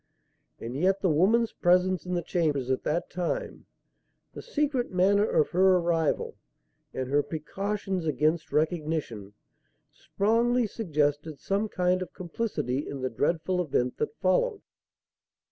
And yet the woman's presence in the chambers at that time, the secret manner of her arrival and her precautions against recognition, strongly suggested some kind of complicity in the dreadful event that followed.